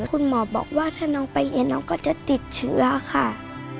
คุณหมอบอกว่าถ้าน้องไปเรียนน้องก็จะติดเชื้อค่ะ